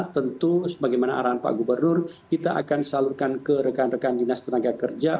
tentu sebagaimana arahan pak gubernur kita akan salurkan ke rekan rekan dinas tenaga kerja